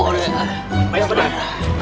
ustaz siap gak